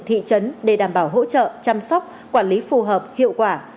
thị trấn để đảm bảo hỗ trợ chăm sóc quản lý phù hợp hiệu quả